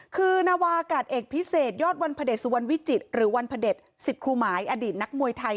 คือนาวากาศเอกพิเศษยอดวันพระเด็จสุวรรณวิจิตรหรือวันพระเด็จสิทธิ์ครูหมายอดีตนักมวยไทย